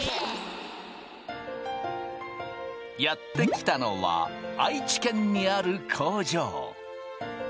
やって来たのは愛知県にある工場。